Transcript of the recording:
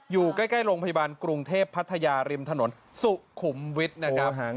อยู่ใกล้โรงพยาบาลกรุงเทพพัทยาริมถนนสุขุมวิทย์นะครับ